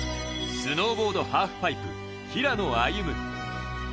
スノーボード、ハーフパイプ・平野歩夢。